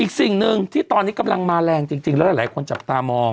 สิ่งหนึ่งที่ตอนนี้กำลังมาแรงจริงแล้วหลายคนจับตามอง